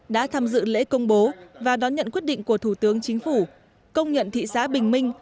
đã tham dự lễ công bố và đón nhận quyết định của thủ tướng chính phủ công nhận thị xã bình minh